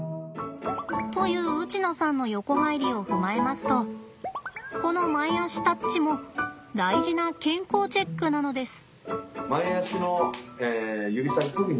というウチノさんの横入りを踏まえますとこの前足タッチも大事な健康チェックなのです。